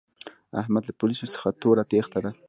احمد له پوليسو څخه توره تېښته ده.